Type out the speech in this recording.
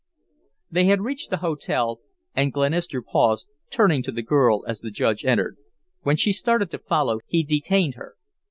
They had reached the hotel, and Glenister paused, turning to the girl as the Judge entered. When she started to follow, he detained her.